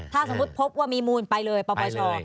ถ้าสมมุติพบว่ามีมูลไปเลยปปช